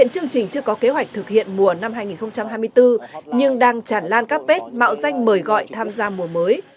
chương trình chưa có kế hoạch thực hiện mùa năm hai nghìn hai mươi bốn nhưng đang tràn lan các bếp mạo danh mời gọi tham gia mùa mới